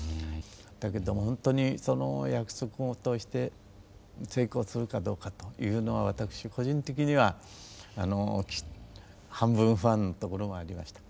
だけどもほんとにその約束事をして成功するかどうかというのは私個人的には半分不安なところもありました。